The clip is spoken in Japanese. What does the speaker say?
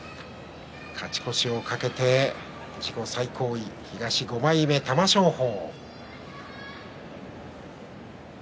勝ち越しを懸けて自己最高位、東５枚目の玉正鳳。